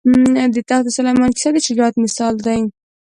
د تخت سلیمان کیسه د شجاعت مثال ده.